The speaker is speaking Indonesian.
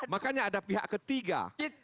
makanya ada pihak ketiga